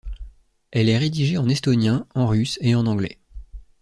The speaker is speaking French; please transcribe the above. Elle est rédigée en estonien, en russe et en anglais.